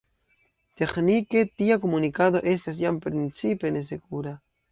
Teĥnike tia komunikado estas jam principe nesekura.